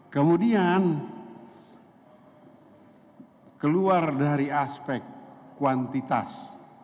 kemudian keluar dari aspek kuantitas